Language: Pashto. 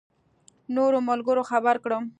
نورو ملګرو خبر کړم.